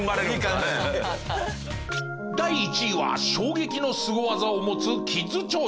第１位は衝撃のスゴ技を持つキッズ超人。